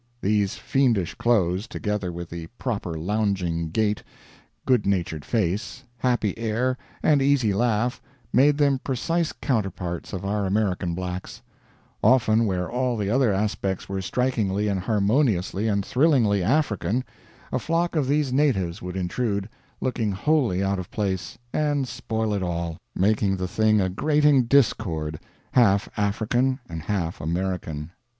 These fiendish clothes, together with the proper lounging gait, good natured face, happy air, and easy laugh, made them precise counterparts of our American blacks; often where all the other aspects were strikingly and harmoniously and thrillingly African, a flock of these natives would intrude, looking wholly out of place, and spoil it all, making the thing a grating discord, half African and half American.